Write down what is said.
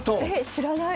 知らない。